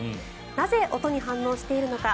なぜ、音に反応しているのか。